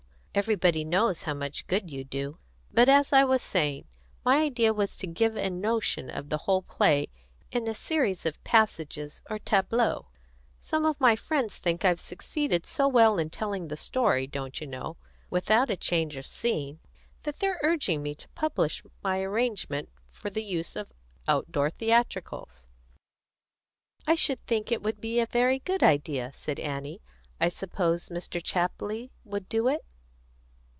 "Everybody knows how much good you do. But, as I was saying, my idea was to give a notion of the whole play in a series of passages or tableaux. Some of my friends think I've succeeded so well in telling the story, don't you know, without a change of scene, that they're urging me to publish my arrangement for the use of out of door theatricals." "I should think it would be a very good idea," said Annie. "I suppose Mr. Chapley would do it?"